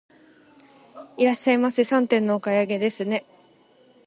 いらっしゃいませ、三点のお買い上げですね。